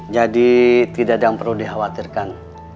jadi tidak ada yang perlu dikhawatirkan